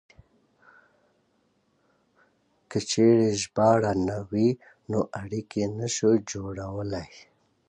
که چېرې ژباړه نه وي نو اړيکې نه شو جوړولای.